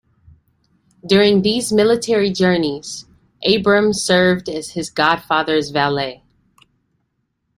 During these military journeys, Abram served as his godfather's valet.